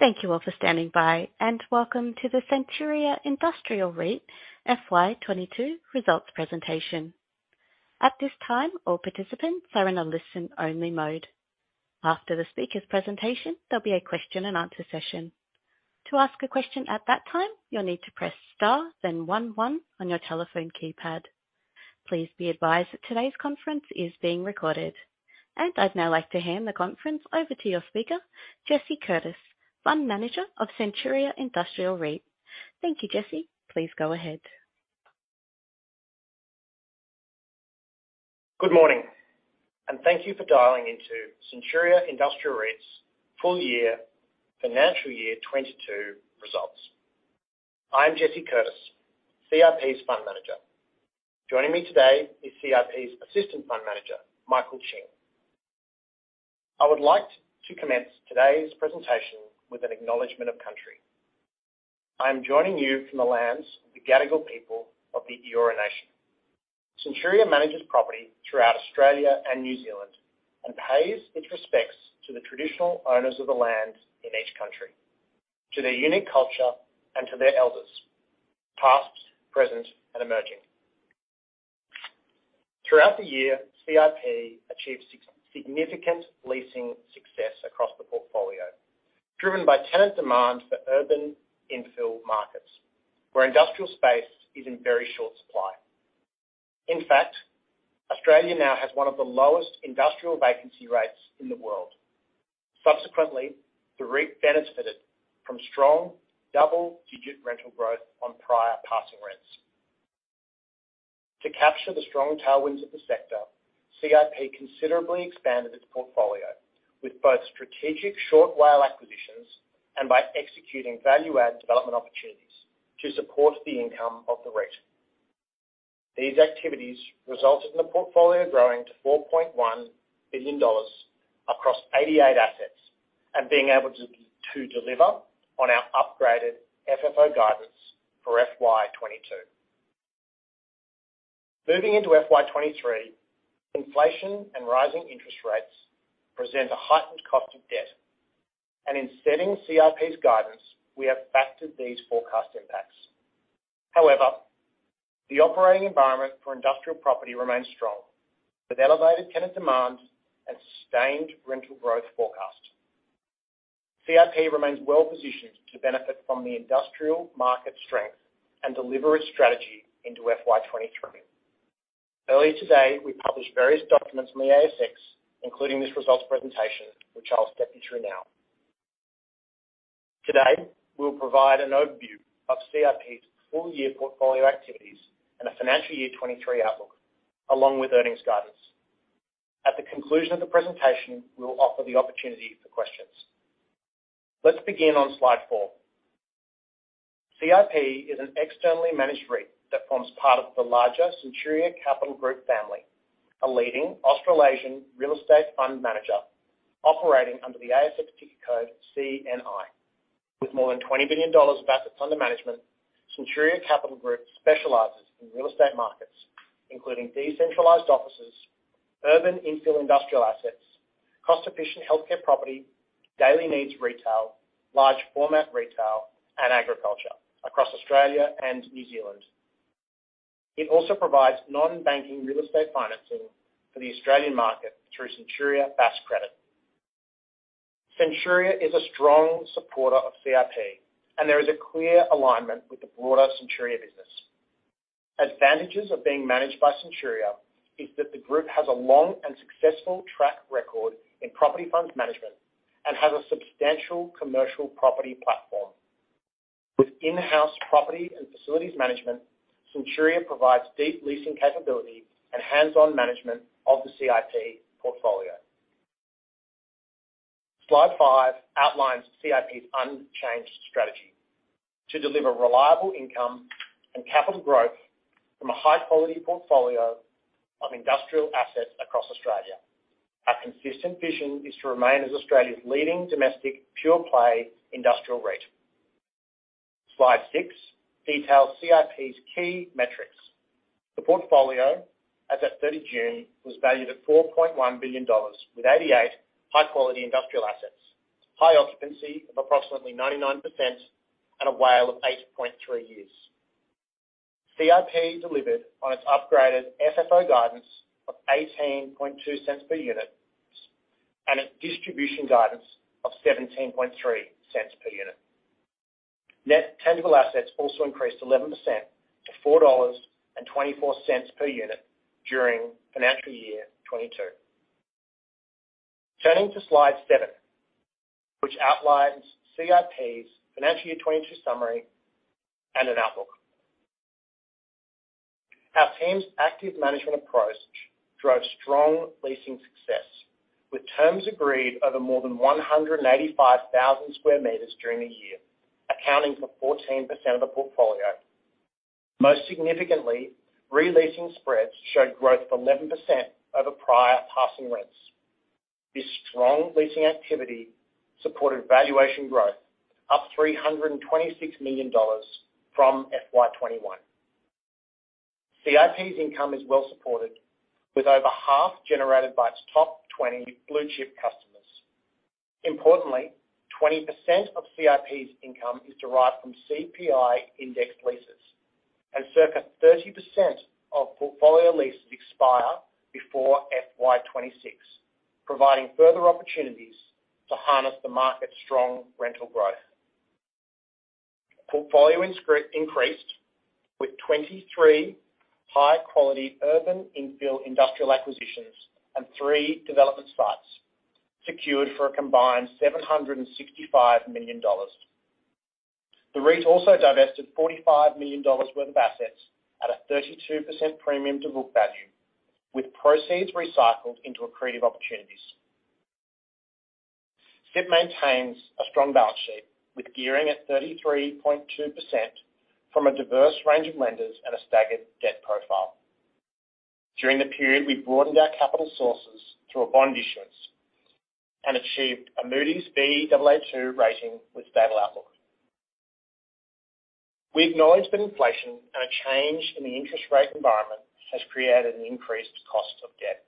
Thank you all for standing by, and welcome to the Centuria Industrial REIT FY 2022 results presentation. At this time, all participants are in a listen-only mode. After the speaker's presentation, there'll be a question and answer session. To ask a question at that time, you'll need to press star, then one on your telephone keypad. Please be advised that today's conference is being recorded. I'd now like to hand the conference over to your speaker, Jesse Curtis, Fund Manager of Centuria Industrial REIT. Thank you, Jesse. Please go ahead. Good morning, and thank you for dialing into Centuria Industrial REIT's full year financial year 2022 results. I'm Jesse Curtis, CIP's Fund Manager. Joining me today is CIP's Assistant Fund Manager, Michael Ching. I would like to commence today's presentation with an acknowledgement of country. I'm joining you from the lands of the Gadigal people of the Eora Nation. Centuria manages property throughout Australia and New Zealand and pays its respects to the traditional owners of the land in each country, to their unique culture and to their elders, past, present and emerging. Throughout the year, CIP achieved significant leasing success across the portfolio, driven by tenant demand for urban infill markets, where industrial space is in very short supply. In fact, Australia now has one of the lowest industrial vacancy rates in the world. Subsequently, the REIT benefited from strong double-digit rental growth on prior passing rents. To capture the strong tailwinds of the sector, CIP considerably expanded its portfolio with both strategic short WALE acquisitions and by executing value add development opportunities to support the income of the REIT. These activities resulted in the portfolio growing to 4.1 billion dollars across 88 assets and being able to deliver on our upgraded FFO guidance for FY 2022. Moving into FY 2023, inflation and rising interest rates present a heightened cost of debt, and in setting CIP's guidance, we have factored these forecast impacts. However, the operating environment for industrial property remains strong with elevated tenant demand and sustained rental growth forecast. CIP remains well-positioned to benefit from the industrial market strength and deliver its strategy into FY 2023. Earlier today, we published various documents on the ASX, including this results presentation, which I'll step you through now. Today, we'll provide an overview of CIP's full year portfolio activities and a financial year 2023 outlook, along with earnings guidance. At the conclusion of the presentation, we will offer the opportunity for questions. Let's begin on slide four. CIP is an externally managed REIT that forms part of the larger Centuria Capital Group family, a leading Australasian real estate fund manager operating under the ASX ticker code CNI. With more than 20 billion dollars of assets under management, Centuria Capital Group specializes in real estate markets, including decentralized offices, urban infill industrial assets, cost-efficient healthcare property, daily needs retail, large format retail, and agriculture across Australia and New Zealand. It also provides non-banking real estate financing for the Australian market through Centuria Bass Credit. Centuria is a strong supporter of CIP, and there is a clear alignment with the broader Centuria business. Advantages of being managed by Centuria is that the group has a long and successful track record in property funds management and has a substantial commercial property platform. With in-house property and facilities management, Centuria provides deep leasing capability and hands-on management of the CIP portfolio. Slide five outlines CIP's unchanged strategy. To deliver reliable income and capital growth from a high-quality portfolio of industrial assets across Australia. Our consistent vision is to remain as Australia's leading domestic pure-play industrial REIT. Slide six details CIP's key metrics. The portfolio, as at 30 June, was valued at 4.1 billion dollars, with 88 high-quality industrial assets, high occupancy of approximately 99%, and a WALE of 8.3 years. CIP delivered on its upgraded FFO guidance of 0.182 per unit and its distribution guidance of 0.173 per unit. Net tangible assets also increased 11% to 4.24 dollars per unit during financial year 2022. Turning to slide seven, which outlines CIP's financial year 2022 summary and an outlook. Our team's active management approach drove strong leasing success, with terms agreed over more than 185,000 sqm during the year, accounting for 14% of the portfolio. Most significantly, re-leasing spreads showed growth of 11% over prior passing rents. This strong leasing activity supported valuation growth, up 326 million dollars from FY 2021. CIP's income is well supported with over half generated by its top 20 blue-chip customers. Importantly, 20% of CIP's income is derived from CPI indexed leases, and circa 30% of portfolio leases expire before FY 2026, providing further opportunities to harness the market's strong rental growth. Portfolio increased with 23 high-quality urban infill industrial acquisitions and three development spots secured for a combined 765 million dollars. The REIT also divested 45 million dollars worth of assets at a 32% premium to book value, with proceeds recycled into accretive opportunities. CIP maintains a strong balance sheet, with gearing at 33.2% from a diverse range of lenders and a staggered debt profile. During the period, we broadened our capital sources through a bond issuance and achieved a Moody's Baa2 rating with stable outlook. We acknowledge that inflation and a change in the interest rate environment has created an increased cost of debt.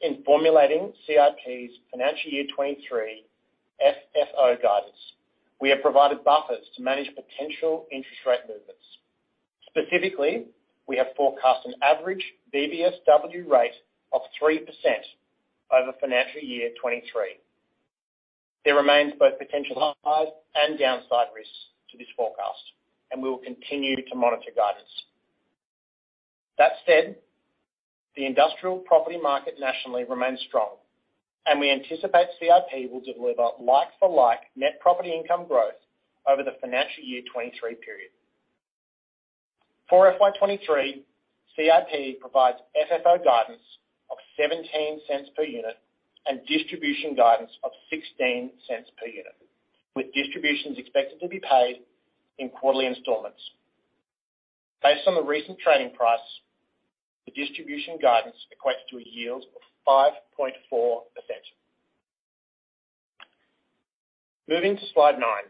In formulating CIP's financial year 2023 FFO guidance, we have provided buffers to manage potential interest rate movements. Specifically, we have forecast an average BBSW rate of 3% over financial year 2023. There remains both potential upside and downside risks to this forecast, and we will continue to monitor guidance. That said, the industrial property market nationally remains strong, and we anticipate CIP will deliver like-for-like net property income growth over the financial year 2023 period. For FY 2023, CIP provides FFO guidance of 0.17 per unit and distribution guidance of 0.16 per unit, with distributions expected to be paid in quarterly installments. Based on the recent trading price, the distribution guidance equates to a yield of 5.4%. Moving to slide nine.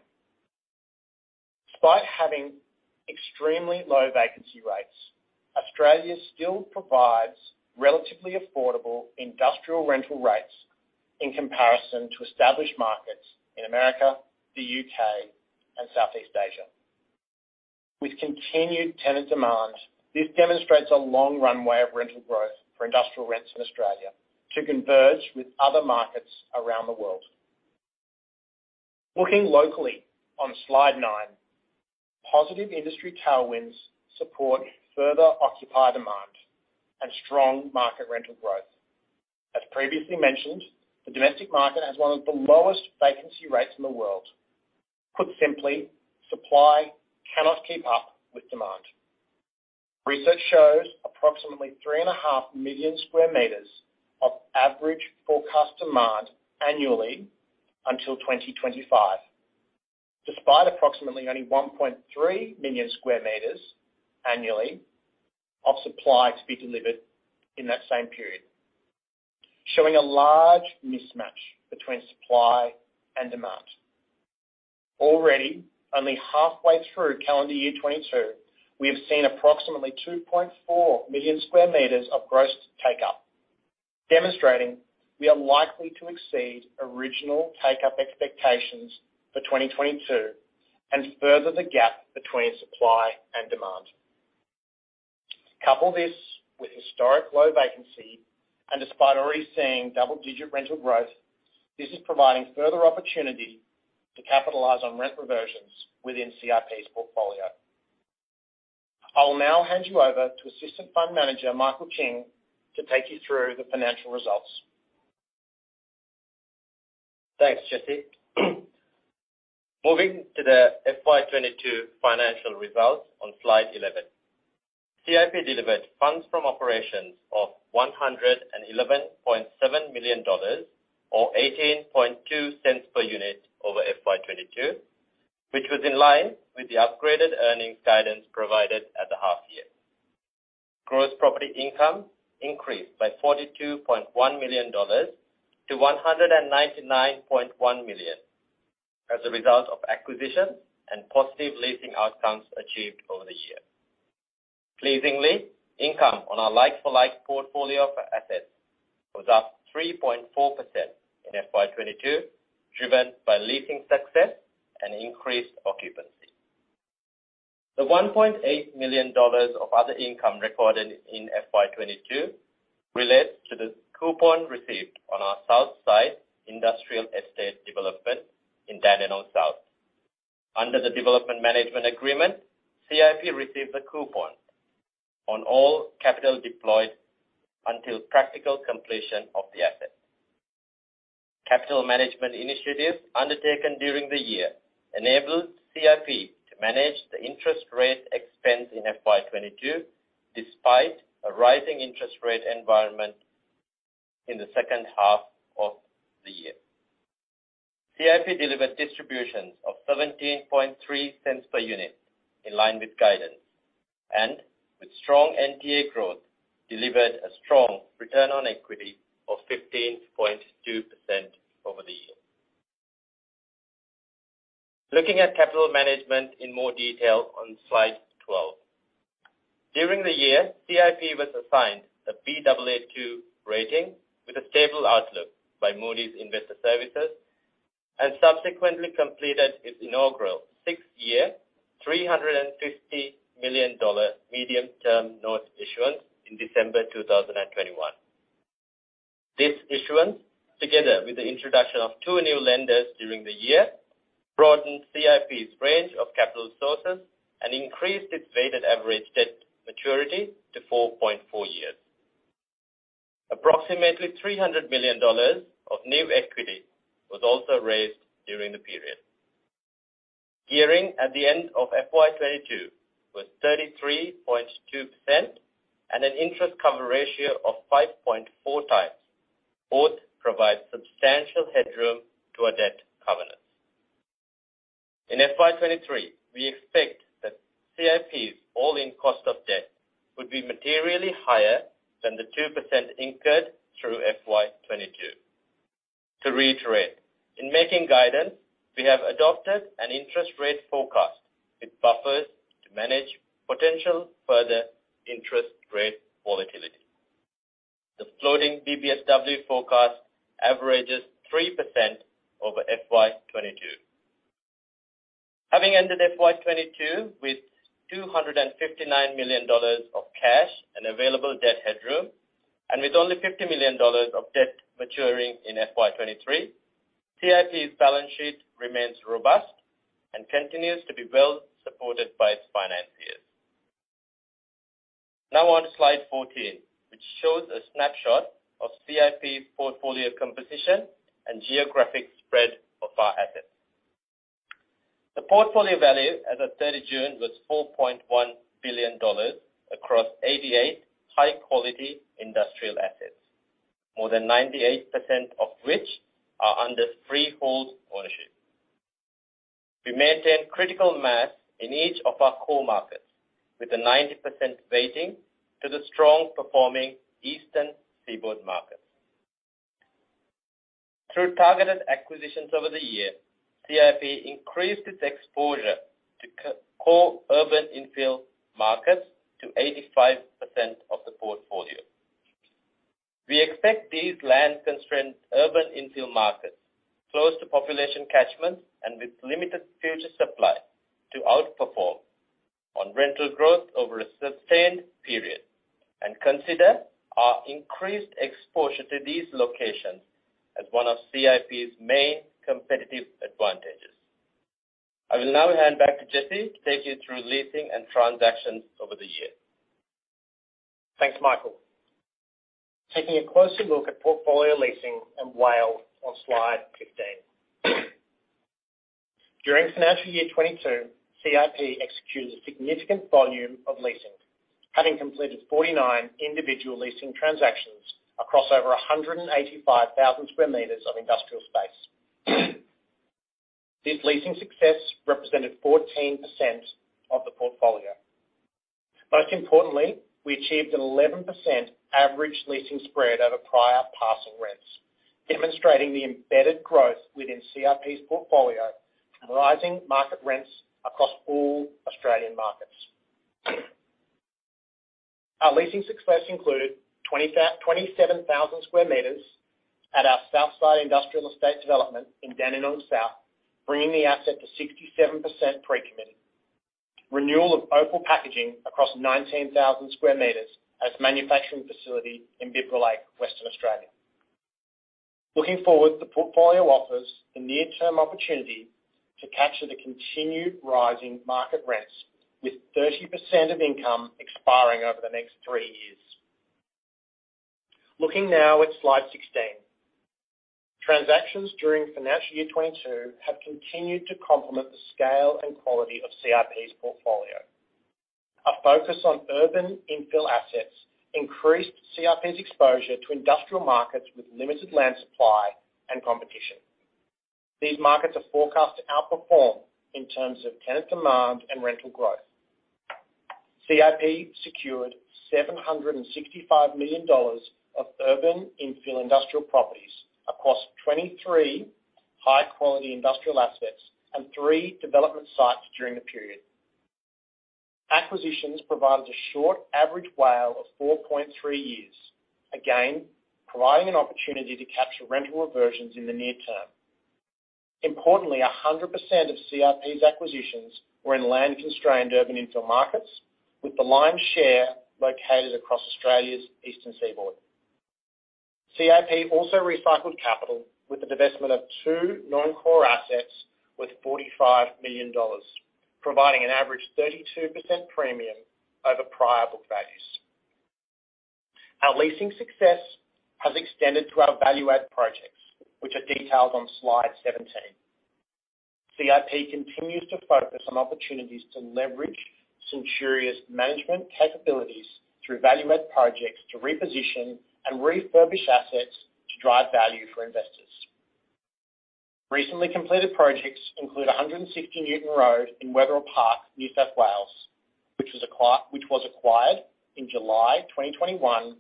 Despite having extremely low vacancy rates, Australia still provides relatively affordable industrial rental rates in comparison to established markets in America, the UK, and Southeast Asia. With continued tenant demand, this demonstrates a long runway of rental growth for industrial rents in Australia to converge with other markets around the world. Looking locally on slide nine, positive industry tailwinds support further occupier demand and strong market rental growth. As previously mentioned, the domestic market has one of the lowest vacancy rates in the world. Put simply, supply cannot keep up with demand. Research shows approximately 3.5 million sqm of average forecast demand annually until 2025, despite approximately only 1.3 million sqm annually of supply to be delivered in that same period, showing a large mismatch between supply and demand. Already, only halfway through calendar year 2022, we have seen approximately 2.4 million sqm of gross take-up, demonstrating we are likely to exceed original take-up expectations for 2022 and further the gap between supply and demand. Couple this with historic low vacancy, and despite already seeing double-digit rental growth, this is providing further opportunity to capitalize on rent reversions within CIP's portfolio. I'll now hand you over to Assistant Fund Manager Michael Ching to take you through the financial results. Thanks, Jesse. Moving to the FY 2022 financial results on slide 11. CIP delivered funds from operations of AUD 111.7 million or 0.182 per unit over FY 2022, which was in line with the upgraded earnings guidance provided at the half year. Gross property income increased by 42.1 million dollars to 199.1 million as a result of acquisition and positive leasing outcomes achieved over the year. Pleasingly, income on our like-for-like portfolio of assets was up 3.4% in FY 2022, driven by leasing success and increased occupancy. The 1.8 million dollars of other income recorded in FY 2022 relates to the coupon received on our Southside Industrial Estate development in Dandenong South. Under the development management agreement, CIP received a coupon on all capital deployed until practical completion of the asset. Capital management initiatives undertaken during the year enabled CIP to manage the interest rate expense in FY 2022, despite a rising interest rate environment in the second half of the year. CIP delivered distributions of 0.173 per unit in line with guidance, and with strong NTA growth, delivered a strong return on equity of 15.2% over the year. Looking at capital management in more detail on slide 12. During the year, CIP was assigned a Baa2 rating with a stable outlook by Moody's Investors Service and subsequently completed its inaugural six-year, 350 million dollar medium-term note issuance in December 2021. This issuance, together with the introduction of two new lenders during the year, broadened CIP's range of capital sources and increased its weighted average debt maturity to 4.4 years. Approximately 300 million dollars of new equity was also raised during the period. Gearing at the end of FY 2022 was 33.2% and an interest cover ratio of 5.4 times. Both provide substantial headroom to our debt covenants. In FY 2023, we expect that CIP's all-in cost of debt would be materially higher than the 2% incurred through FY 2022. To reiterate, in making guidance, we have adopted an interest rate forecast with buffers to manage potential further interest rate volatility. The floating BBSW forecast averages 3% over FY 2022. Having ended FY 2022 with 259 million dollars of cash and available debt headroom, and with only 50 million dollars of debt maturing in FY 2023, CIP's balance sheet remains robust and continues to be well supported by its financiers. Now on to slide 14, which shows a snapshot of CIP's portfolio composition and geographic spread of our assets. The portfolio value as of 3rd June was 4.1 billion dollars across 88 high-quality industrial assets, more than 98% of which are under freehold ownership. We maintain critical mass in each of our core markets with a 90% weighting to the strong performing eastern seaboard markets. Through targeted acquisitions over the year, CIP increased its exposure to core urban infill markets to 85% of the portfolio. We expect these land-constrained urban infill markets close to population catchments and with limited future supply to outperform on rental growth over a sustained period, and consider our increased exposure to these locations as one of CIP's main competitive advantages. I will now hand back to Jesse to take you through leasing and transactions over the year. Thanks, Michael. Taking a closer look at portfolio leasing and WALE on slide 15. During financial year 2022, CIP executed a significant volume of leasing, having completed 49 individual leasing transactions across over 185,000 sqm of industrial space. This leasing success represented 14% of the portfolio. Most importantly, we achieved an 11% average leasing spread over prior passing rents, demonstrating the embedded growth within CIP's portfolio and rising market rents across all Australian markets. Our leasing success included 27,000 sqm at our south side industrial estate development in Dandenong South, bringing the asset to 67% pre-committed. Renewal of Opal Packaging across 19,000 sqm as a manufacturing facility in Bibra Lake, Western Australia. Looking forward, the portfolio offers a near-term opportunity to capture the continued rising market rents with 30% of income expiring over the next three years. Looking now at slide 16. Transactions during financial year 2022 have continued to complement the scale and quality of CIP's portfolio. A focus on urban infill assets increased CIP's exposure to industrial markets with limited land supply and competition. These markets are forecast to outperform in terms of tenant demand and rental growth. CIP secured 765 million dollars of urban infill industrial properties across 23 high-quality industrial assets and three development sites during the period. Acquisitions provided a short average WALE of 4.3 years, again, providing an opportunity to capture rental reversions in the near term. Importantly, 100% of CIP's acquisitions were in land-constrained urban infill markets with the lion's share located across Australia's eastern seaboard. CIP also recycled capital with the divestment of two non-core assets with 45 million dollars, providing an average 32% premium over prior book values. Our leasing success has extended to our value add projects, which are detailed on slide 17. CIP continues to focus on opportunities to leverage Centuria's management capabilities through value add projects to reposition and refurbish assets to drive value for investors. Recently completed projects include 160 Newton Road in Wetherill Park, New South Wales, which was acquired in July 2021.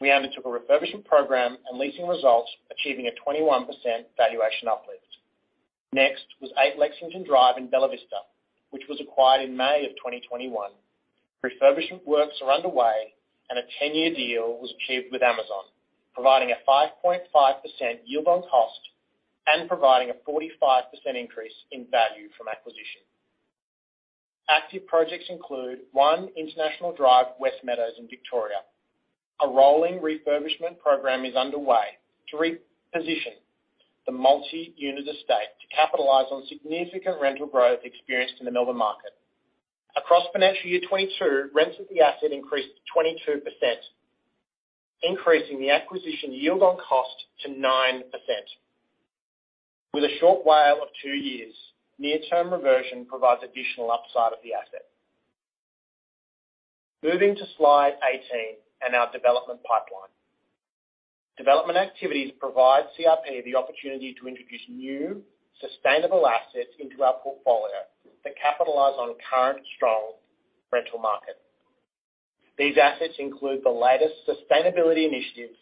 We undertook a refurbishment program and leasing results, achieving a 21% valuation uplift. Next was 8 Lexington Drive in Bella Vista, which was acquired in May 2021. Refurbishment works are underway and a 10-year deal was achieved with Amazon, providing a 5.5% yield on cost and providing a 45% increase in value from acquisition. Active projects include One International Drive, Westmeadows in Victoria. A rolling refurbishment program is underway to reposition the multi-unit estate to capitalize on significant rental growth experienced in the Melbourne market. Across financial year 2022, rents at the asset increased 22%, increasing the acquisition yield on cost to 9%. With a short WALE of two years, near-term reversion provides additional upside of the asset. Moving to slide 18 and our development pipeline. Development activities provide CIP the opportunity to introduce new sustainable assets into our portfolio that capitalize on current strong rental market. These assets include the latest sustainability initiatives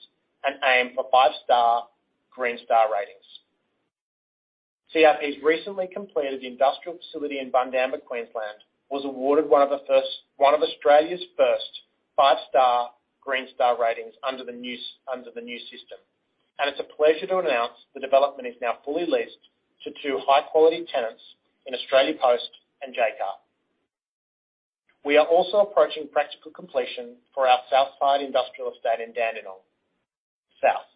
and aim for five-star Green Star Ratings. CIP's recently completed industrial facility in Bundamba, Queensland, was awarded one of Australia's first five-star Green Star Ratings under the new system. It's a pleasure to announce the development is now fully leased to two high-quality tenants in Australia Post and Jaycar. We are also approaching practical completion for our Southside industrial estate in Dandenong South.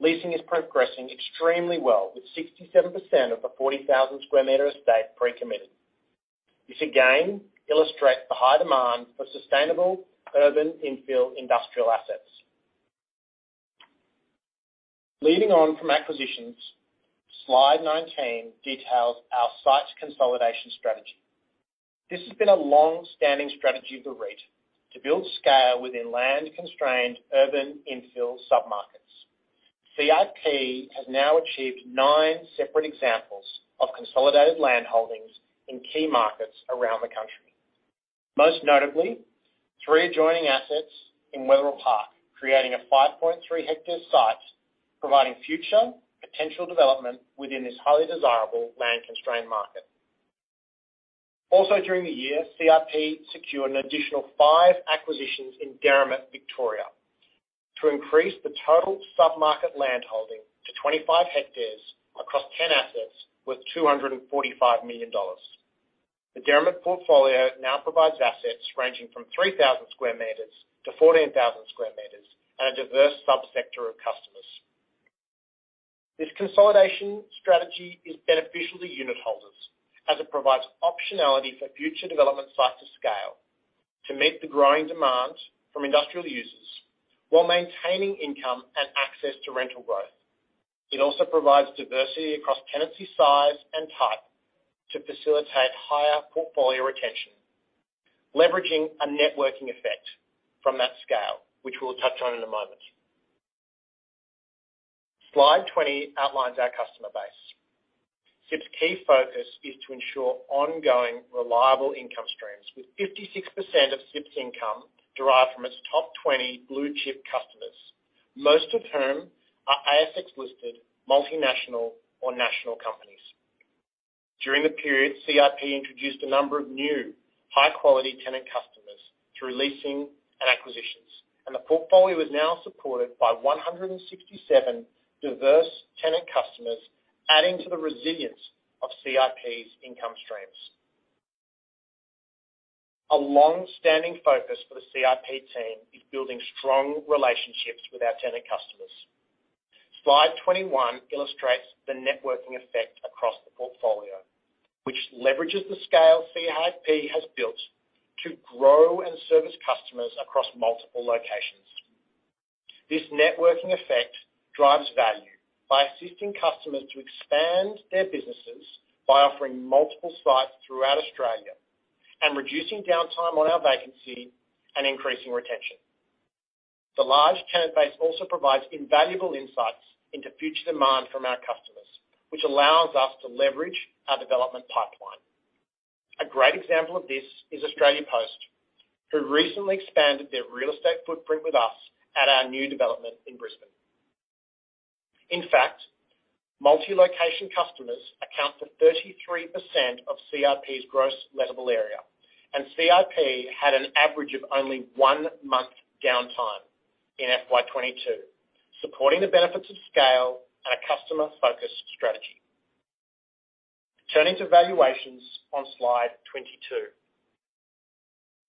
Leasing is progressing extremely well with 67% of the 40,000 sqm estate pre-committed. This again illustrates the high demand for sustainable urban infill industrial assets. Leading on from acquisitions, slide 19 details our sites consolidation strategy. This has been a long-standing strategy of the REIT to build scale within land-constrained urban infill submarkets. CIP has now achieved nine separate examples of consolidated landholdings in key markets around the country. Most notably, three adjoining assets in Wetherill Park, creating a 5.3 hectare site, providing future potential development within this highly desirable land-constrained market. CIP secured an additional five acquisitions in Derrimut, Victoria to increase the total submarket landholding to 25 hectares across 10 assets worth 245 million dollars. The Derrimut portfolio now provides assets ranging from 3,000 sqm-14,000 sqm and a diverse subsector of customers. This consolidation strategy is beneficial to unit holders as it provides optionality for future development site to scale to meet the growing demands from industrial users while maintaining income and access to rental growth. It also provides diversity across tenancy size and type to facilitate higher portfolio retention, leveraging a network effect from that scale, which we'll touch on in a moment. Slide 20 outlines our customer base. CIP's key focus is to ensure ongoing reliable income streams, with 56% of CIP's income derived from its top 20 blue chip customers, most of whom are ASX-listed multinational or national companies. During the period, CIP introduced a number of new high-quality tenant customers through leasing and acquisitions, and the portfolio is now supported by 167 diverse tenant customers, adding to the resilience of CIP's income streams. A long-standing focus for the CIP team is building strong relationships with our tenant customers. Slide 21 illustrates the networking effect across the portfolio, which leverages the scale CIP has built to grow and service customers across multiple locations. This networking effect drives value by assisting customers to expand their businesses by offering multiple sites throughout Australia and reducing downtime on our vacancy and increasing retention. The large tenant base also provides invaluable insights into future demand from our customers, which allows us to leverage our development pipeline. A great example of this is Australia Post, who recently expanded their real estate footprint with us at our new development in Brisbane. In fact, multi-location customers account for 33% of CIP's gross lettable area, and CIP had an average of only one month downtime in FY 2022, supporting the benefits of scale and a customer-focused strategy. Turning to valuations on slide 22.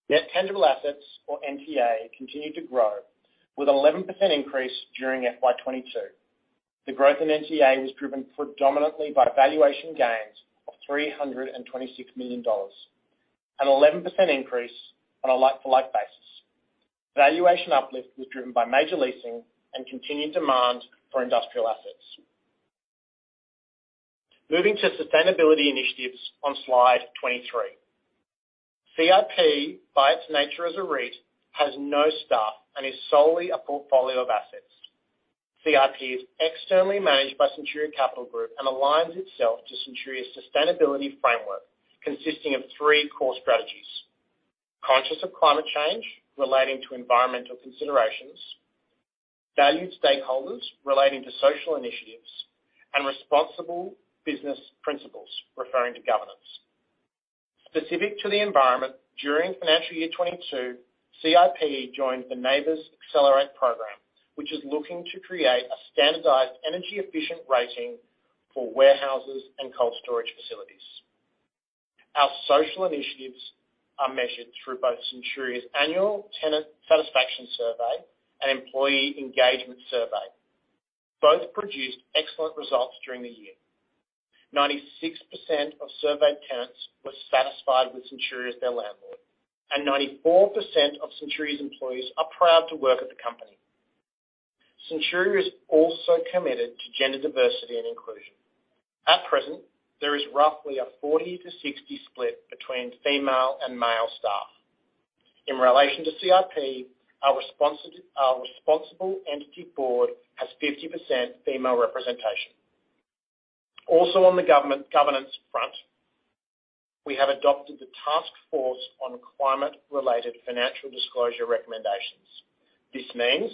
Net tangible assets, or NTA, continued to grow with 11% increase during FY 2022. The growth in NTA was driven predominantly by valuation gains of 326 million dollars, an 11% increase on a like-for-like basis. Valuation uplift was driven by major leasing and continued demand for industrial assets. Moving to sustainability initiatives on slide 23. CIP, by its nature as a REIT, has no staff and is solely a portfolio of assets. CIP is externally managed by Centuria Capital Group and aligns itself to Centuria's sustainability framework consisting of three core strategies. Conscious of climate change relating to environmental considerations, valued stakeholders relating to social initiatives, and responsible business principles referring to governance. Specific to the environment, during financial year 2022, CIP joined the NABERS Accelerate program, which is looking to create a standardized energy efficient rating for warehouses and cold storage facilities. Our social initiatives are measured through both Centuria's annual tenant satisfaction survey and employee engagement survey. Both produced excellent results during the year. 96% of surveyed tenants were satisfied with Centuria as their landlord, and 94% of Centuria's employees are proud to work at the company. Centuria is also committed to gender diversity and inclusion. At present, there is roughly a 40-60 split between female and male staff. In relation to CIP, our responsible entity board has 50% female representation. Also on the governance front, we have adopted the Task Force on Climate-related Financial Disclosures recommendations. This means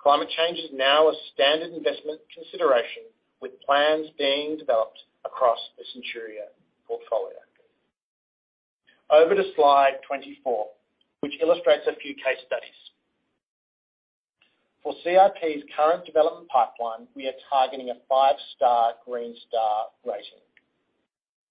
climate change is now a standard investment consideration, with plans being developed across the Centuria portfolio. Over to slide 24, which illustrates a few case studies. For CIP's current development pipeline, we are targeting a 5-star Green Star rating.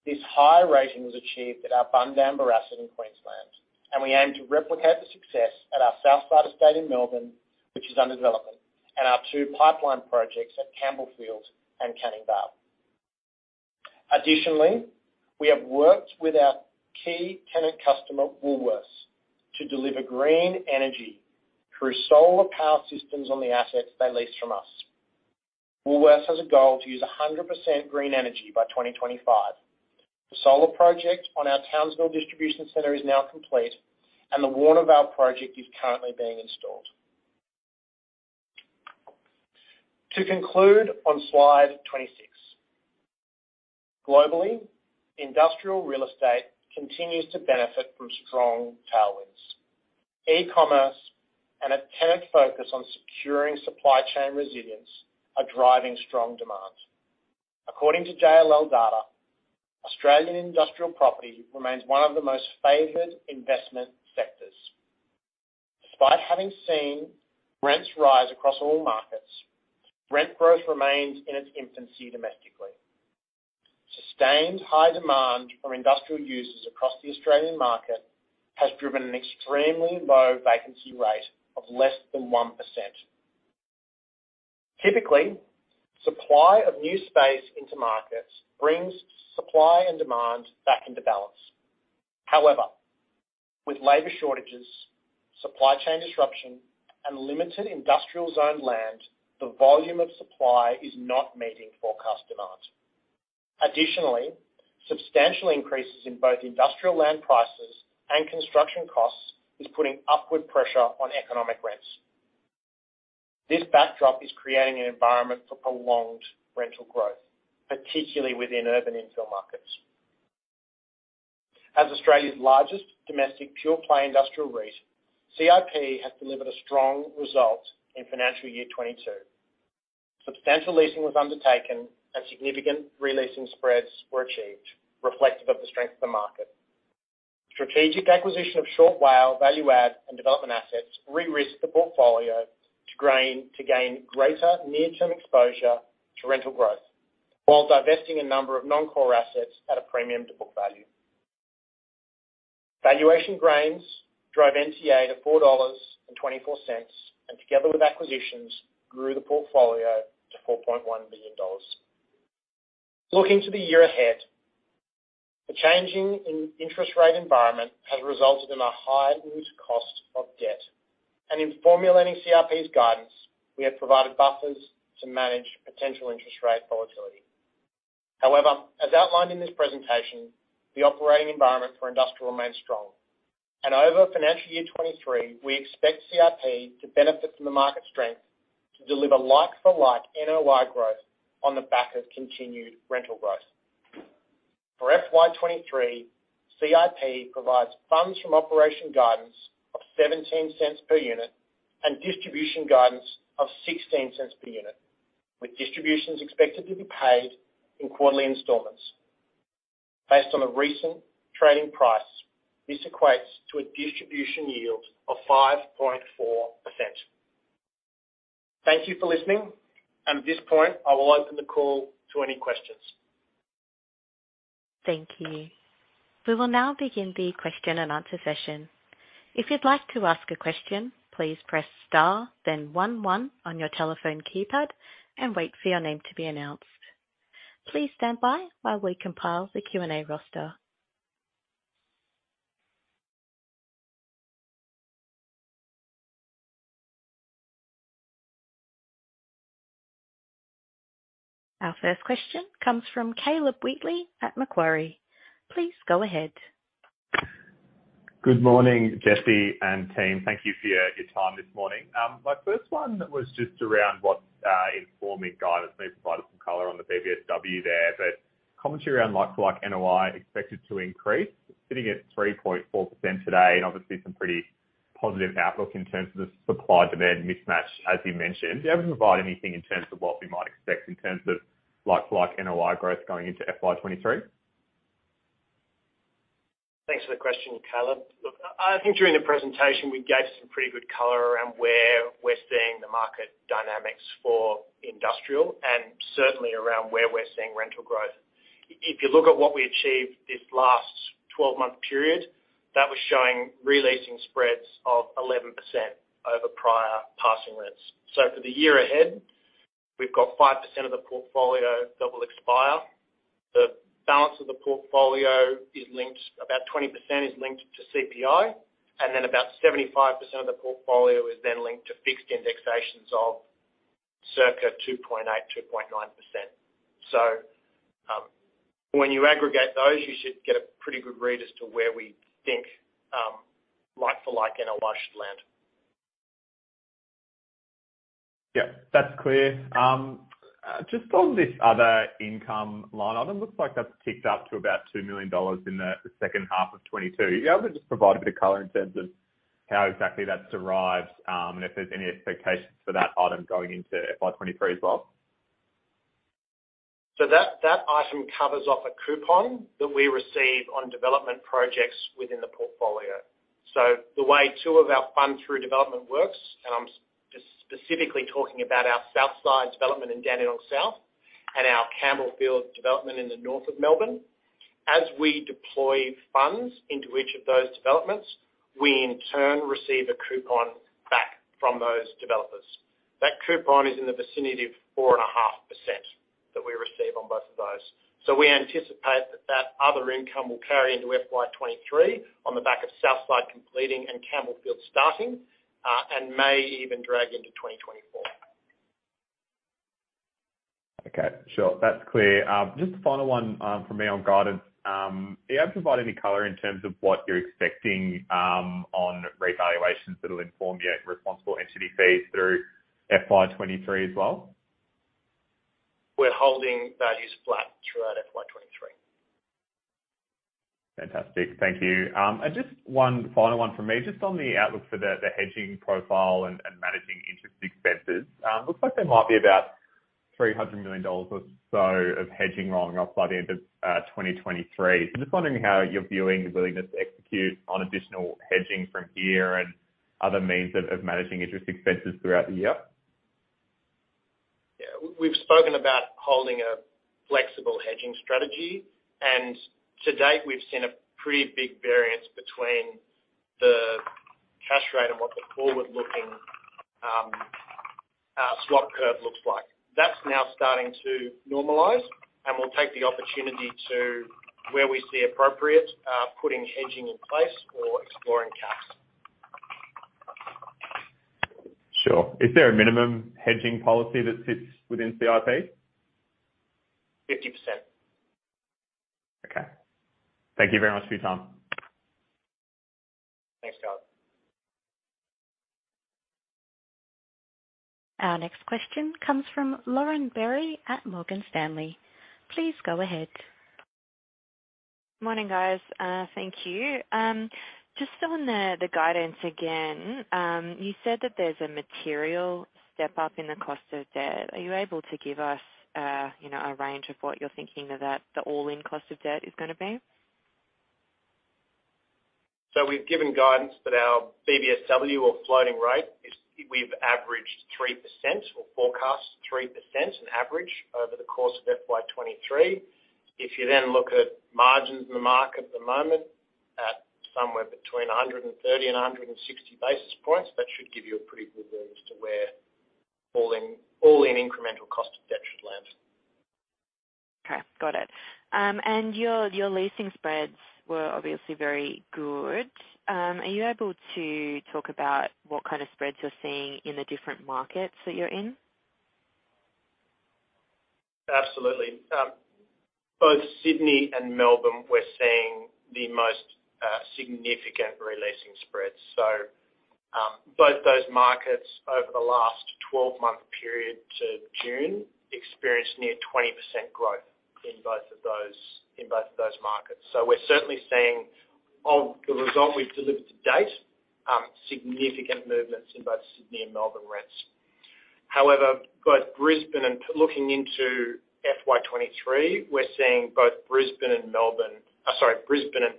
This high rating was achieved at our Bundamba asset in Queensland, and we aim to replicate the success at our Southside Estate in Melbourne, which is under development, and our two pipeline projects at Campbellfield and Canning Vale. Additionally, we have worked with our key tenant customer, Woolworths, to deliver green energy through solar power systems on the assets they lease from us. Woolworths has a goal to use 100% green energy by 2025. The solar project on our Townsville Distribution Center is now complete, and the Warnervale project is currently being installed. To conclude on slide 26. Globally, industrial real estate continues to benefit from strong tailwinds. E-commerce and a tenant focus on securing supply chain resilience are driving strong demand. According to JLL data, Australian industrial property remains one of the most favored investment sectors. Despite having seen rents rise across all markets, rent growth remains in its infancy domestically. Sustained high demand from industrial users across the Australian market has driven an extremely low vacancy rate of less than 1%. Typically, supply of new space into markets brings supply and demand back into balance. However, with labor shortages, supply chain disruption, and limited industrial zoned land, the volume of supply is not meeting forecast demand. Additionally, substantial increases in both industrial land prices and construction costs is putting upward pressure on economic rents. This backdrop is creating an environment for prolonged rental growth, particularly within urban infill markets. As Australia's largest domestic pure-play industrial REIT, CIP has delivered a strong result in financial year 2022. Substantial leasing was undertaken and significant re-leasing spreads were achieved reflective of the strength of the market. Strategic acquisition of short WALE value-add and development assets re-risk the portfolio to gain greater near-term exposure to rental growth, while divesting a number of non-core assets at a premium to book value. Valuation gains drive NTA to 4.24 dollars, and together with acquisitions, grew the portfolio to 4.1 billion dollars. Looking to the year ahead, the changing in interest rate environment has resulted in a higher cost of debt and in formulating CIP's guidance, we have provided buffers to manage potential interest rate volatility. However, as outlined in this presentation, the operating environment for industrial remains strong. Over financial year 2023, we expect CIP to benefit from the market strength to deliver like-for-like NOI growth on the back of continued rental growth. For FY 2023, CIP provides funds from operation guidance of 0.17 per unit and distribution guidance of 0.16 per unit, with distributions expected to be paid in quarterly installments. Based on the recent trading price, this equates to a distribution yield of 5.4%. Thank you for listening, and at this point, I will open the call to any questions. Thank you. We will now begin the question and answer session. If you'd like to ask a question, please press star then one one on your telephone keypad and wait for your name to be announced. Please stand by while we compile the Q&A roster. Our first question comes from Caleb Wheatley at Macquarie. Please go ahead. Good morning, Jesse and team. Thank you for your time this morning. My first one was just around what's informing guidance. You provided some color on the BBSW there, but commentary around like-for-like NOI expected to increase, sitting at 3.4% today, and obviously some pretty positive outlook in terms of the supply-demand mismatch, as you mentioned. Are you able to provide anything in terms of what we might expect in terms of like-for-like NOI growth going into FY 2023? Thanks for the question, Caleb. Look, I think during the presentation, we gave some pretty good color around where we're seeing the market dynamics for industrial and certainly around where we're seeing rental growth. If you look at what we achieved this last 12-month period, that was showing re-leasing spreads of 11% over prior passing rents. For the year ahead, we've got 5% of the portfolio that will expire. The balance of the portfolio is linked, about 20% is linked to CPI, and then about 75% of the portfolio is linked to fixed indexations of circa 2.8%-2.9%. When you aggregate those, you should get a pretty good read as to where we think like-for-like NOI should land. Yeah, that's clear. Just on this other income line item, looks like that's ticked up to about 2 million dollars in the second half of 2022. Are you able to just provide a bit of color in terms of how exactly that derives, and if there's any expectations for that item going into FY 2023 as well? That item covers off a coupon that we receive on development projects within the portfolio. The way two of our fund-through developments work, and I'm specifically talking about our Southside development in Dandenong South and our Campbellfield development in the north of Melbourne. As we deploy funds into each of those developments, we in turn receive a coupon back from those developers. That coupon is in the vicinity of 4.5% that we receive on both of those. We anticipate that other income will carry into FY23 on the back of Southside completing and Campbellfield starting, and may even drag into 2024. Okay. Sure. That's clear. Just a final one from me on guidance. Are you able to provide any color in terms of what you're expecting on revaluations that'll inform the responsible entity fees through FY 2023 as well? We're holding values flat throughout FY 2023. Fantastic. Thank you. Just one final one from me. Just on the outlook for the hedging profile and managing interest expenses. Looks like there might be about 300 million dollars or so of hedging rolling off by the end of 2023. Just wondering how you're viewing your willingness to execute on additional hedging from here and other means of managing interest expenses throughout the year. Yeah. We've spoken about holding a flexible hedging strategy, and to date, we've seen a pretty big variance between the cash rate and what the forward-looking swap curve looks like. That's now starting to normalize, and we'll take the opportunity to, where we see appropriate, putting hedging in place or exploring caps. Sure. Is there a minimum hedging policy that sits within CIP? 50%. Okay. Thank you very much for your time. Thanks, Caleb. Our next question comes from Lauren Berry at Morgan Stanley. Please go ahead. Morning, guys. Thank you. Just on the guidance again, you said that there's a material step up in the cost of debt. Are you able to give us, you know, a range of what you're thinking of that the all-in cost of debt is gonna be? We've given guidance that our BBSW or floating rate we've averaged 3% or forecast 3% on average over the course of FY 2023. If you then look at margins in the market at the moment, at somewhere between 130 and 160 basis points, that should give you a pretty good view as to where all-in incremental cost of debt should land. Okay. Got it. Your leasing spreads were obviously very good. Are you able to talk about what kind of spreads you're seeing in the different markets that you're in? Absolutely. Both Sydney and Melbourne, we're seeing the most significant re-leasing spreads. Both those markets, over the last 12-month period to June, experienced near 20% growth in both of those markets. We're certainly seeing, of the result we've delivered to date, significant movements in both Sydney and Melbourne rents. However, looking into FY 2023, we're seeing both Brisbane and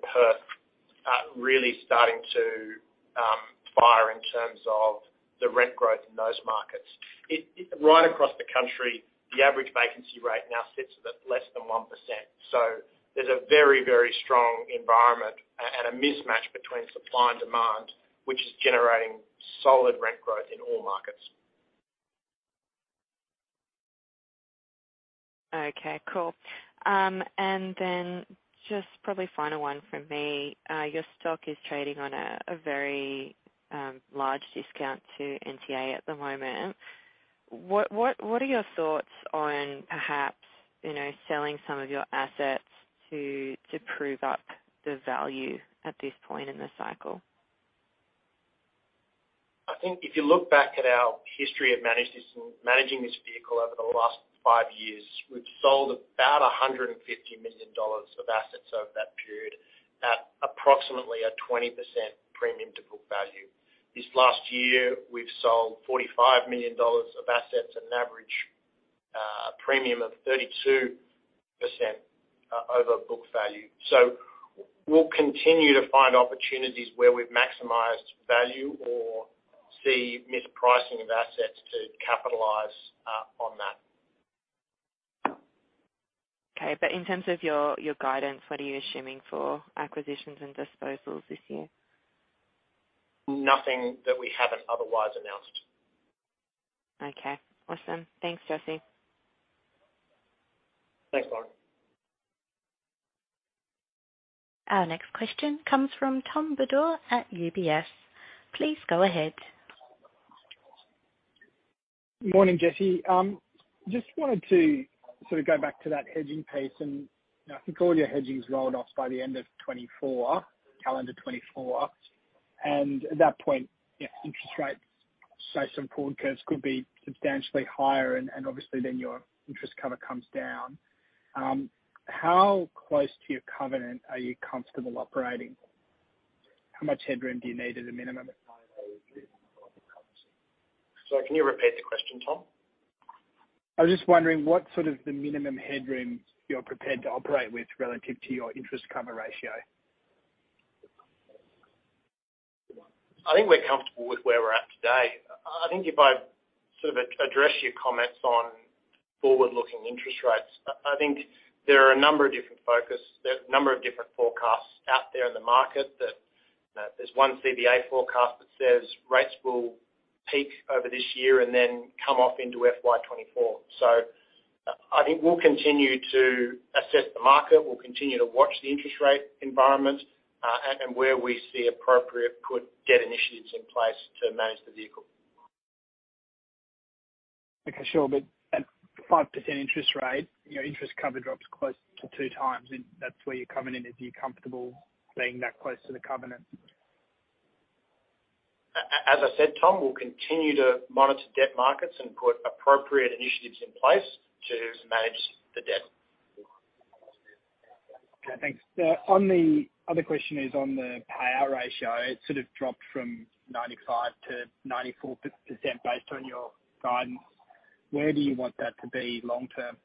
Perth really starting to fire in terms of the rent growth in those markets. Right across the country, the average vacancy rate now sits at less than 1%. There's a very, very strong environment and a mismatch between supply and demand, which is generating solid rent growth in all markets. Okay. Cool. Just probably final one from me, your stock is trading on a very large discount to NTA at the moment. What are your thoughts on perhaps, you know, selling some of your assets to prove up the value at this point in the cycle? I think if you look back at our history of managing this vehicle over the last five years, we've sold about 150 million dollars of assets over that period at approximately a 20% premium to book value. This last year, we've sold 45 million dollars of assets, an average premium of 32% over book value. We'll continue to find opportunities where we've maximized value or see mispricing of assets to capitalize on that. Okay. In terms of your guidance, what are you assuming for acquisitions and disposals this year? Nothing that we haven't otherwise announced. Okay. Awesome. Thanks, Jesse. Thanks, Lauren. Our next question comes from Tom Bodor at UBS. Please go ahead. Good morning, Jesse. Just wanted to sort of go back to that hedging piece and, you know, I think all your hedging's rolled off by the end of 2024, calendar 2024. At that point, you know, interest rates, say some forward curves could be substantially higher and obviously then your interest cover comes down. How close to your covenant are you comfortable operating? How much headroom do you need at a minimum? Sorry, can you repeat the question, Tom? I was just wondering what sort of the minimum headroom you're prepared to operate with relative to your interest cover ratio. I think we're comfortable with where we're at today. I think if I sort of address your comments on forward-looking interest rates, I think there are a number of different focuses. There's a number of different forecasts out there in the market that, you know, there's one CBA forecast that says rates will peak over this year and then come off into FY 2024. I think we'll continue to assess the market. We'll continue to watch the interest rate environment, and where we see appropriate could get initiatives in place to manage the vehicle. Okay. Sure. At 5% interest rate, your interest cover drops close to 2 times and that's where you're coming in. Are you comfortable being that close to the covenant? As I said, Tom, we'll continue to monitor debt markets and put appropriate initiatives in place to manage the debt. Okay, thanks. On the other question is on the payout ratio. It sort of dropped from 95% to 94% based on your guidance. Where do you want that to be long term?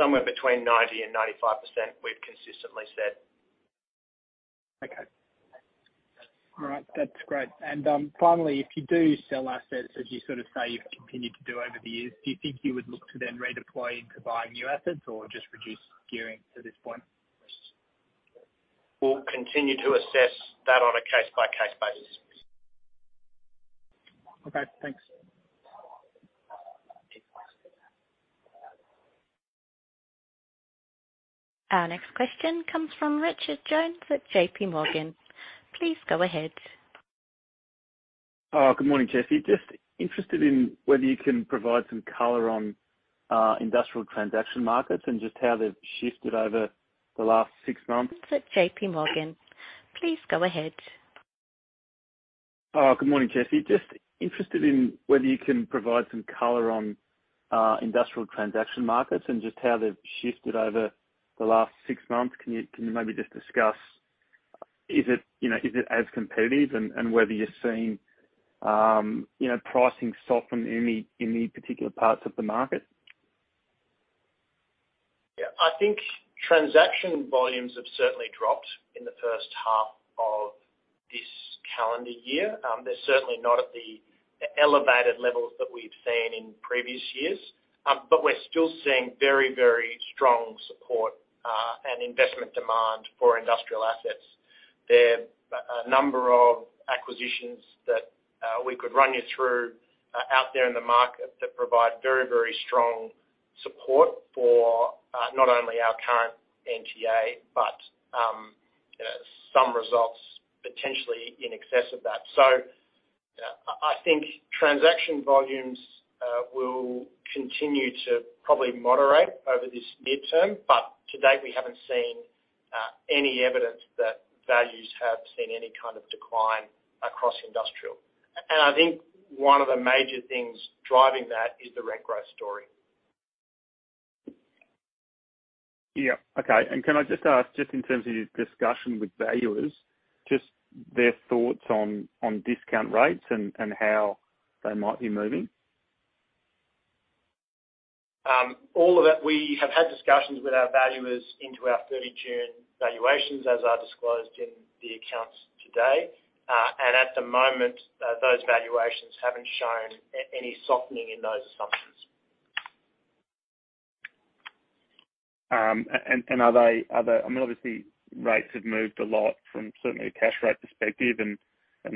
Somewhere between 90% and 95%, we've consistently said. Okay. All right. That's great. Finally, if you do sell assets as you sort of say you've continued to do over the years, do you think you would look to then redeploy into buying new assets or just reduce gearing at this point? We'll continue to assess that on a case by case basis. Okay, thanks. Our next question comes from Richard Jones at JPMorgan. Please go ahead.. Oh, good morning, Jesse. Just interested in whether you can provide some color on industrial transaction markets and just how they've shifted over the last six months. Can you maybe just discuss is it, you know, is it as competitive and whether you're seeing, you know, pricing soften any particular parts of the market? Yeah. I think transaction volumes have certainly dropped in the first half of this calendar year. They're certainly not at the elevated levels that we've seen in previous years. But we're still seeing very, very strong support and investment demand for industrial assets. There are a number of acquisitions that we could run you through out there in the market that provide very, very strong support for not only our current NTA, but you know, some results potentially in excess of that. I think transaction volumes will continue to probably moderate over this medium term, but to date, we haven't seen any evidence that values have seen any kind of decline across industrial. I think one of the major things driving that is the rent growth story. Yeah. Okay. Can I just ask, just in terms of your discussion with valuers, just their thoughts on discount rates and how they might be moving? All of that, we have had discussions with our valuers into our June 30 valuations, as are disclosed in the accounts today. At the moment, those valuations haven't shown any softening in those assumptions. Are they—I mean, obviously, rates have moved a lot from certainly a cash rate perspective and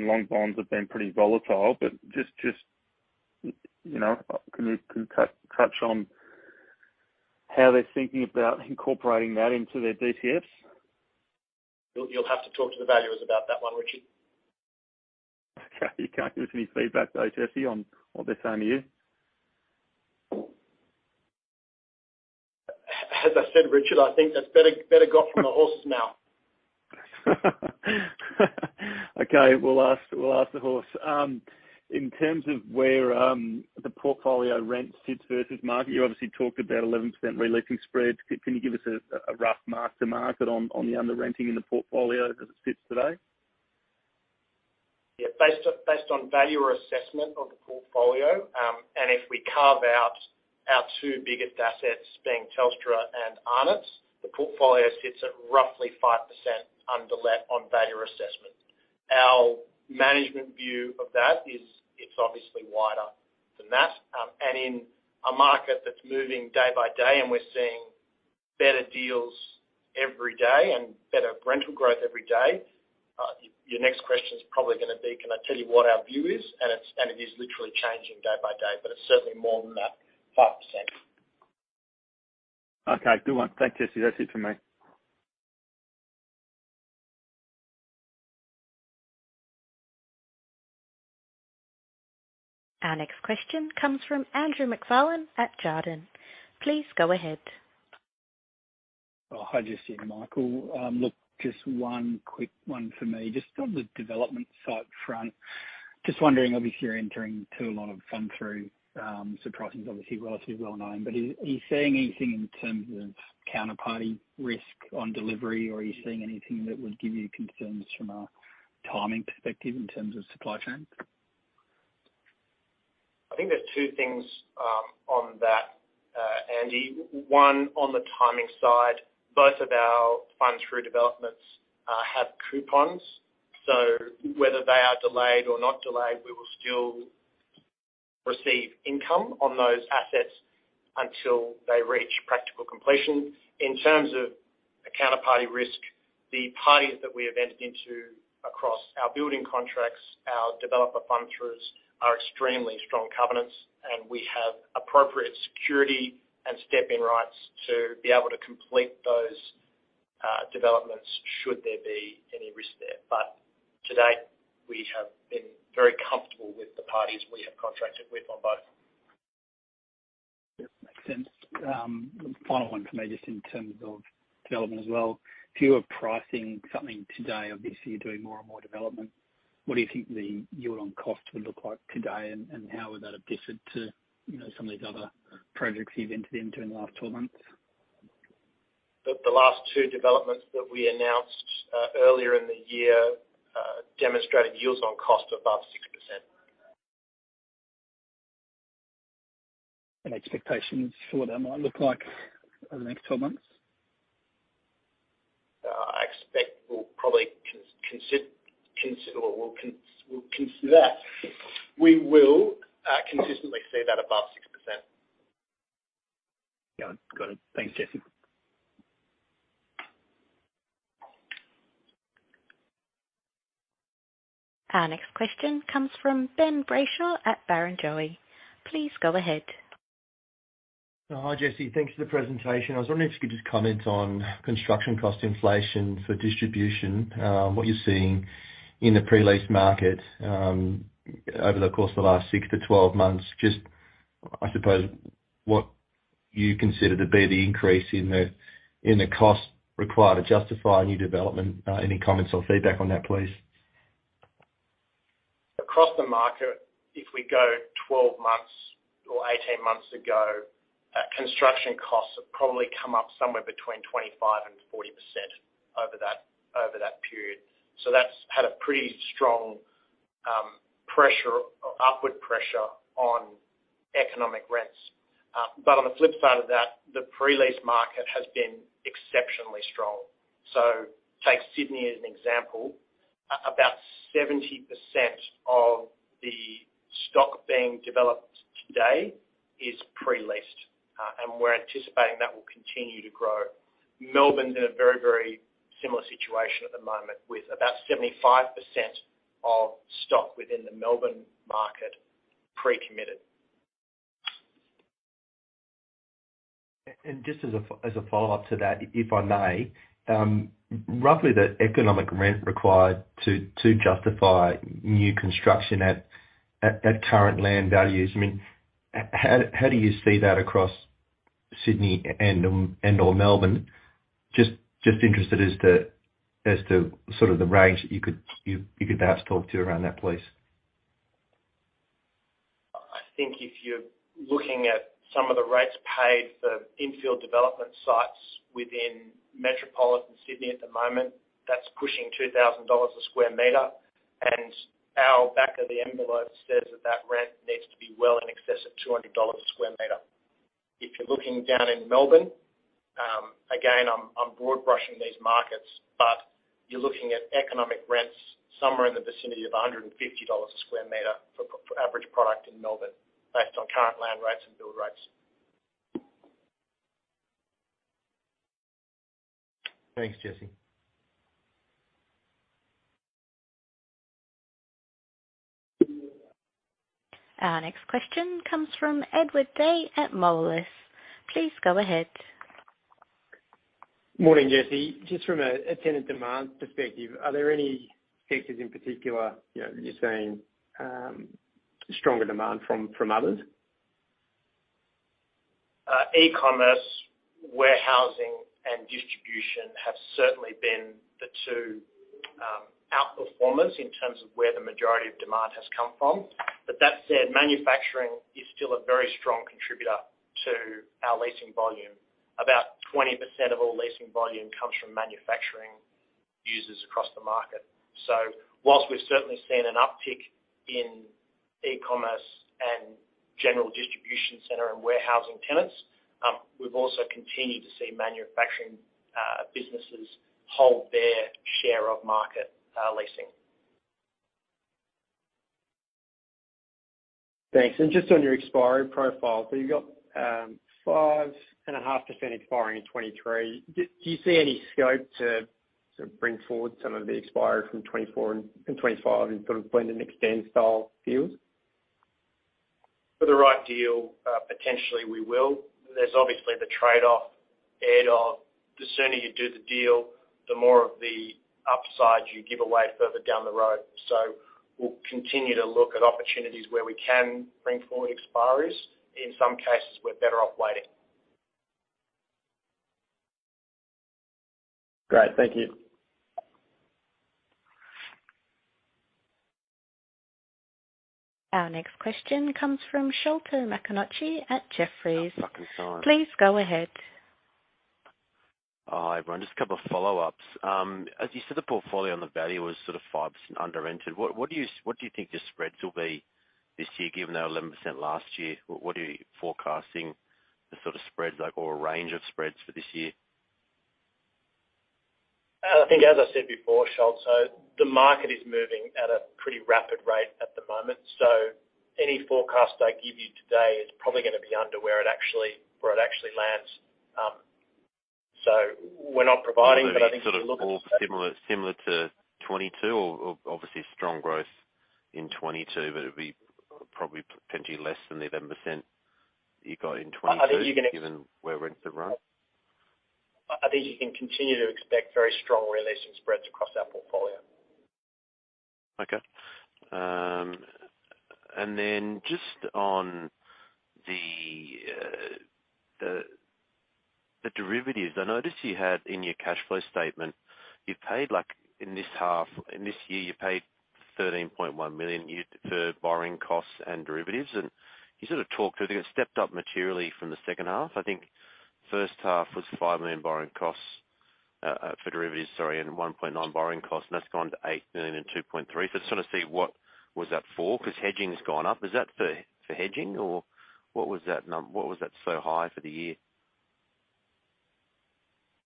long bonds have been pretty volatile, but just, you know, can you touch on how they're thinking about incorporating that into their DCFs? You'll have to talk to the valuers about that one, Richard. You can't give us any feedback though, Jesse, on what they're saying to you? As I said, Richard, I think that's better gotten from the horse's mouth. Okay, we'll ask the horse. In terms of where the portfolio rent sits versus market, you obviously talked about 11% reletting spreads. Can you give us a rough mark to market on the under-renting in the portfolio as it sits today? Yeah. Based on valuer assessment of the portfolio, if we carve out our two biggest assets being Telstra and Arnott's, the portfolio sits at roughly 5% underlet on valuer assessment. Our management view of that is it's obviously wider than that. In a market that's moving day by day and we're seeing better deals every day and better rental growth every day, your next question is probably gonna be, can I tell you what our view is? It is literally changing day by day, but it's certainly more than that 5%. Okay, good one. Thanks, Jesse. That's it for me. Our next question comes from Andrew MacFarlane at Jarden. Please go ahead. Oh, hi, Jesse and Michael. Look, just one quick one for me. Just on the development site front. Just wondering, obviously, you're entering into a lot of funds through, so pricing is obviously relatively well-known. Are you seeing anything in terms of counterparty risk on delivery, or are you seeing anything that would give you concerns from a timing perspective in terms of supply chain? I think there's two things on that, Andy. One, on the timing side, both of our fund through developments have coupons, so whether they are delayed or not delayed, we will still receive income on those assets until they reach practical completion. In terms of the counterparty risk, the parties that we have entered into across our building contracts, our developer fund throughs are extremely strong covenants, and we have appropriate security and step-in rights to be able to complete those developments should there be any risk there. To date, we have been very comfortable with the parties we have contracted with on both. Yep, makes sense. Final one for me, just in terms of development as well. If you were pricing something today, obviously, you're doing more and more development. What do you think the yield on cost would look like today and how would that have differed to, you know, some of these other projects you've entered into in the last 12 months? The last two developments that we announced earlier in the year demonstrated yields on cost above 6%. Any expectations for what that might look like over the next 12 months? I expect we'll probably consider that. We will consistently see that above 6%. Got it. Thanks, Jesse. Our next question comes from Ben Brayshaw at Barrenjoey. Please go ahead. Hi, Jesse. Thanks for the presentation. I was wondering if you could just comment on construction cost inflation for distribution, what you're seeing in the pre-lease market, over the course of the last 6-12 months, just, I suppose, what you consider to be the increase in the cost required to justify new development. Any comments or feedback on that, please? Across the market, if we go 12 months or 18 months ago, construction costs have probably come up somewhere between 25% and 40% over that period. That's had a pretty strong pressure, upward pressure on economic rents. But on the flip side of that, the pre-lease market has been exceptionally strong. Take Sydney as an example. About 70% of the stock being developed today is pre-leased, and we're anticipating that will continue to grow. Melbourne's in a very, very similar situation at the moment, with about 75% of stock within the Melbourne market pre-committed. Just as a follow-up to that, if I may, roughly the economic rent required to justify new construction at current land values. I mean, how do you see that across Sydney and/or Melbourne? Just interested as to sort of the range that you could perhaps talk to around that, please. I think if you're looking at some of the rates paid for infill development sites within metropolitan Sydney at the moment, that's pushing 2,000 dollars a sqm, and our back of the envelope says that that rent needs to be well in excess of 200 dollars a sqm. If you're looking down in Melbourne, again, I'm broad-brushing these markets, but you're looking at economic rents somewhere in the vicinity of 150 dollars a sqm for average product in Melbourne based on current land rates and build rates. Thanks, Jesse. Our next question comes from Edward Day at Moelis. Please go ahead. Morning, Jesse. Just from a tenant demand perspective, are there any sectors in particular, you know, you're seeing stronger demand from others? E-commerce, warehousing, and distribution have certainly been the two out-performers in terms of where the majority of demand has come from. That said, manufacturing is still a very strong contributor to our leasing volume. About 20% of all leasing volume comes from manufacturing users across the market. While we've certainly seen an uptick in e-commerce and general distribution center and warehousing tenants, we've also continued to see manufacturing businesses hold their share of market leasing. Thanks. Just on your expiry profile, so you've got 5.5% expiring in 2023. Do you see any scope to bring forward some of the expiry from 2024 and 2025 and sort of blend and extend style deals? For the right deal, potentially we will. There's obviously the trade-off, Ed, of the sooner you do the deal, the more of the upside you give away further down the road. We'll continue to look at opportunities where we can bring forward expiries. In some cases, we're better off waiting. Great. Thank you. Our next question comes from Sholto Maconochie at Jefferies. Please go ahead. Hi, everyone. Just a couple follow-ups. As you said, the portfolio on the value was sort of 5% under-rented. What do you think the spreads will be this year, given they were 11% last year? What are you forecasting the sort of spreads like or range of spreads for this year? I think as I said before, Sholto, the market is moving at a pretty rapid rate at the moment. Any forecast I give you today is probably gonna be under where it actually lands. We're not providing, but I think if you look at sort of all similar to 2022 or obviously strong growth in 2022, but it'd be probably potentially less than the 11% you got in 2022. I think you can. Given where rents have run. I think you can continue to expect very strong relet and spreads across our portfolio. Okay. Just on the derivatives. I noticed you had in your cash flow statement, you paid, like in this year, 13.1 million for borrowing costs and derivatives. You sort of talked through, I think it stepped up materially from the second half. I think first half was 5 million borrowing costs for derivatives, sorry, and 1.9 borrowing costs, and that's gone to 8 million and 2.3. Just wanna see what was that for? 'Cause hedging's gone up. Is that for hedging or what was that so high for the year?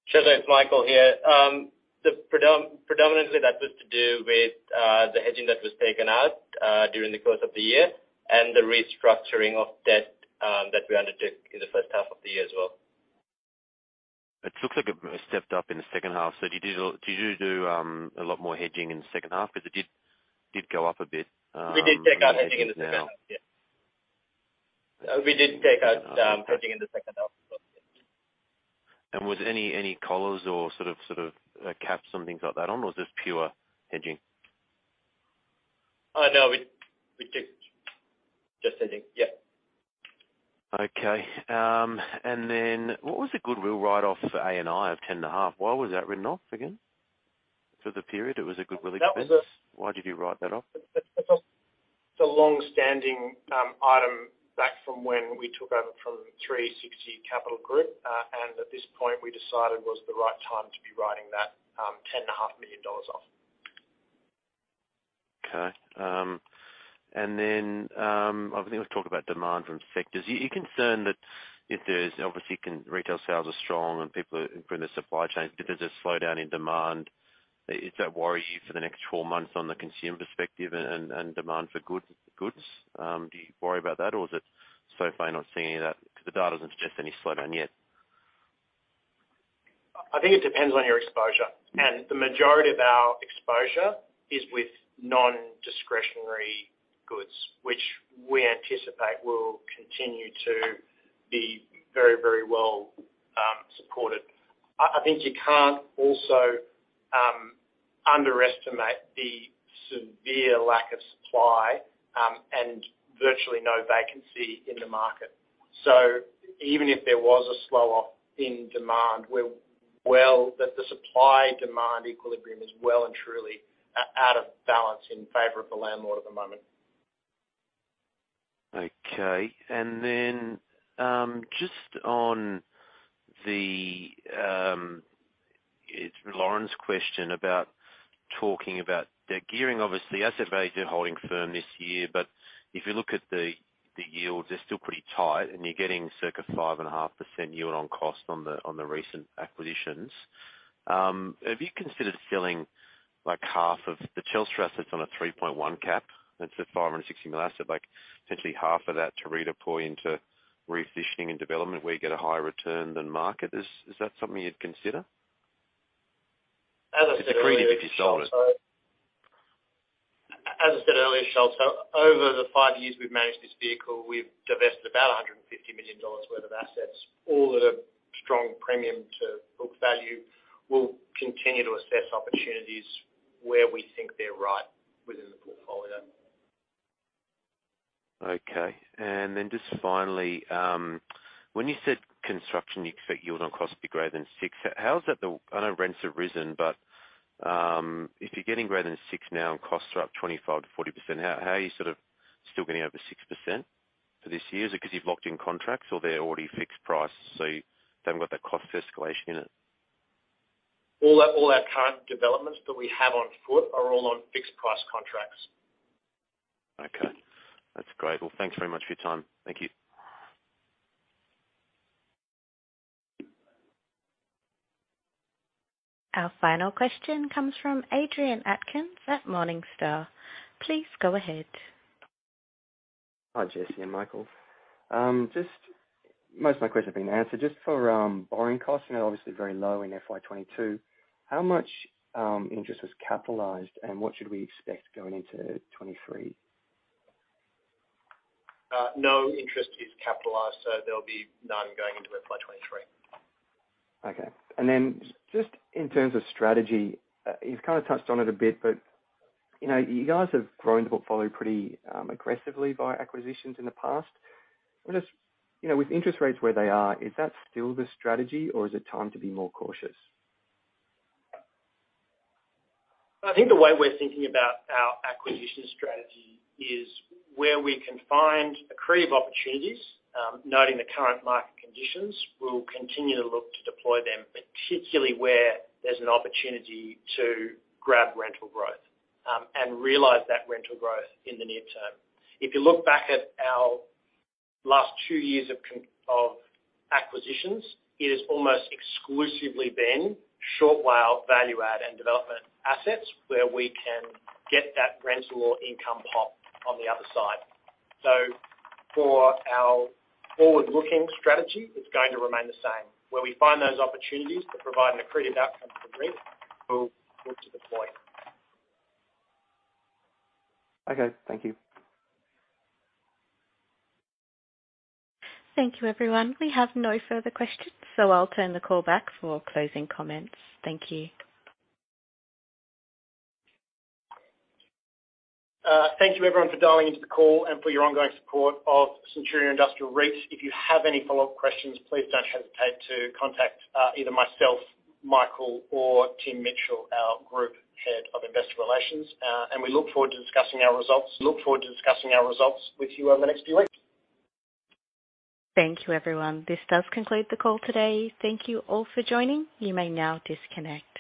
Sholto, it's Michael here. The predominantly that was to do with the hedging that was taken out during the course of the year and the restructuring of debt that we undertook in the first half of the year as well. It looks like it stepped up in the second half. Did you do a lot more hedging in the second half? Because it did go up a bit now. We did take out hedging in the second half. Yeah. We did take out hedging in the second half as well, yeah. Was any collars or sort of caps and things like that on? Or was this pure hedging? No, we did. Just hedging. Yeah. Okay. What was the goodwill write-off for A&I of 10.5? Why was that written off again? For the period, it was a goodwill expense. Why did you write that off? That was the longstanding item back from when we took over from 360 Capital Group. At this point, we decided was the right time to be writing that AUD 10.5 million off. Okay. I think let's talk about demand from sectors. Are you concerned that if there's obviously consumer retail sales are strong and people are improving their supply chains. If there's a slowdown in demand, does that worry you for the next four months on the consumer perspective and demand for goods? Do you worry about that, or is it so far you're not seeing any of that? Because the data doesn't suggest any slowdown yet. I think it depends on your exposure. The majority of our exposure is with non-discretionary goods, which we anticipate will continue to be very, very well supported. I think you can't also underestimate the severe lack of supply, and virtually no vacancy in the market. Even if there was a slowdown in demand, the supply/demand equilibrium is well and truly out of balance in favor of the landlord at the moment. Okay. Just on it's Lauren's question about talking about their gearing. Obviously, asset values are holding firm this year, but if you look at the yields, they're still pretty tight and you're getting circa 5.5% yield on cost on the recent acquisitions. Have you considered selling like half of the Telstra assets on a 3.1 cap? That's a 560 million asset, like potentially half of that to redeploy into refashioning and development where you get a higher return than market. Is that something you'd consider? As I said earlier. It's accretive if you sold it. As I said earlier, Sholto, over the five years we've managed this vehicle, we've divested about 150 million dollars worth of assets. All at a strong premium to book value. We'll continue to assess opportunities where we think they're right within the portfolio. Okay. Just finally, when you said construction, you expect yield on cost to be greater than 6%. How is that? I know rents have risen, but if you're getting greater than 6% now and costs are up 25%-40%, how are you sort of still getting over 6% for this year? Is it 'cause you've locked in contracts or they're already fixed price, so you haven't got that cost escalation in it? All our current developments that we have on foot are all on fixed price contracts. Okay, that's great. Well, thanks very much for your time. Thank you. Our final question comes from Adrian Atkins at Morningstar. Please go ahead. Hi, Jesse and Michael. Just most of my questions have been answered. Just for borrowing costs, you know, obviously very low in FY 2022, how much interest is capitalized and what should we expect going into 2023? No interest is capitalized, so there'll be none going into FY 2023. Okay. Just in terms of strategy, you've kinda touched on it a bit, but, you know, you guys have grown the portfolio pretty aggressively by acquisitions in the past. I'm just, you know, with interest rates where they are, is that still the strategy or is it time to be more cautious? I think the way we're thinking about our acquisition strategy is where we can find accretive opportunities, noting the current market conditions, we'll continue to look to deploy them, particularly where there's an opportunity to grab rental growth, and realize that rental growth in the near term. If you look back at our last two years of acquisitions, it has almost exclusively been short WALE value-add and development assets where we can get that rental or income pop on the other side. For our forward-looking strategy, it's going to remain the same. Where we find those opportunities that provide an accretive outcome for REIT, we'll look to deploy. Okay, thank you. Thank you, everyone. We have no further questions, so I'll turn the call back for closing comments. Thank you. Thank you everyone for dialing into the call and for your ongoing support of Centuria Industrial REIT. If you have any follow-up questions, please don't hesitate to contact either myself, Michael, or Tim Mitchell, our Group Head of Investor Relations. We look forward to discussing our results with you over the next few weeks. Thank you, everyone. This does conclude the call today. Thank you all for joining. You may now disconnect.